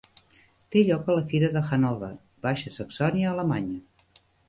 Té lloc a la fira de Hanover, Baixa Saxònia, Alemanya.